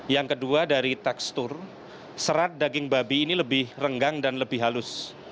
yang kedua dari tekstur serat daging babi ini lebih renggang dan lebih halus